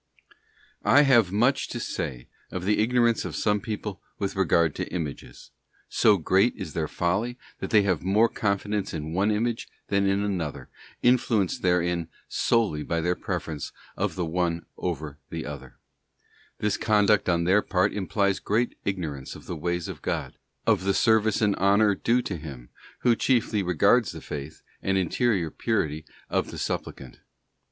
I wAvE much to say of the ignorance of some people with regard to Images: so great. is their folly that they have more confidence in one image than in another, influenced therein solely by their preference of the one over the other. This conduct on their part implies great ignorance of the ways of God, of the service and honour due to Him Who chiefly CHAP. XXXIV. Worldliness in Prayer. Worship of relative. Dissipation in pilgrim ages. regards the faith, and interior purity of the suppliant.